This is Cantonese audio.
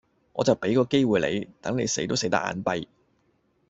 我就畀個機會你，等你死都死得眼閉